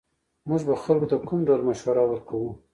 موږ به خلکو ته کوم ډول مشوره ورکوو